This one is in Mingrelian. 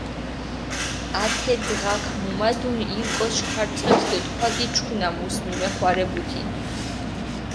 ათე დღაქ მუმადუნ ირ კოჩი ქარწყეთ დო თქვა გიჩქუნა, მუს მემეხვარებუთინ.